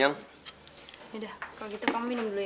sudah kalau gitu kamu minum dulu ya